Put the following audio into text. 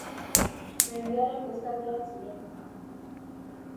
Mendiaren beste aldean ziren ja.